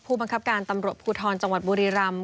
ผู้บังคับการตำรวจภูทรจังหวัดบุรีรำ